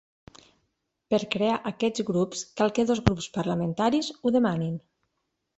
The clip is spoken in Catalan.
Per crear aquests grups cal que dos grups parlamentaris ho demanin.